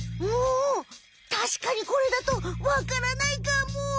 おたしかにこれだとわからないかも。